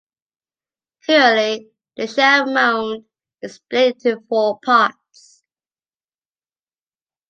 Currently, the shell mound is split into four parts.